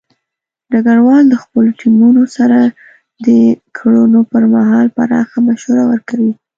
ډګروال د خپلو ټیمونو سره د کړنو پر مهال پراخه مشوره ورکوي.